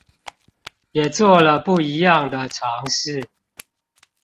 也做了不一樣的嘗試